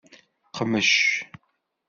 Qmec.